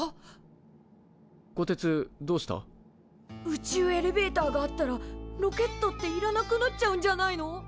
宇宙エレベーターがあったらロケットっていらなくなっちゃうんじゃないの？